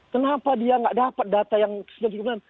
kenapa dia nggak dapat data yang sembilan puluh tujuh lima persen